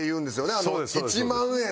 あの１万円の。